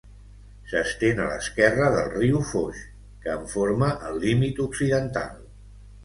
S'estén a l'esquerra del riu Foix, que en forma el límit occidental.